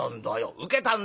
「受けたんだよ」。